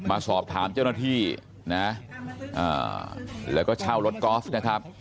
มาสอบถามเจ้าหน้าที่นะแล้วก็เช่ารถกอล์ฟนะครับ